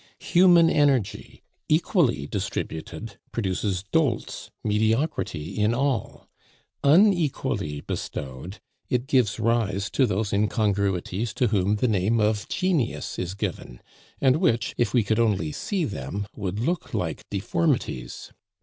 Human energy, equally distributed, produces dolts, mediocrity in all; unequally bestowed it gives rise to those incongruities to whom the name of Genius is given, and which, if we only could see them, would look like deformities.